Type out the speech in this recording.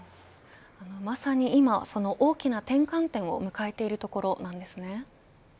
まさに今、その大きな転換点を迎えているところなんですね。